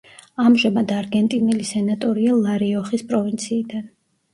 ამჟამად არგენტინელი სენატორია ლა-რიოხის პროვინციიდან.